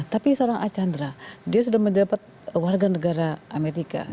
tapi seorang archandra dia sudah mendapat warga negara amerika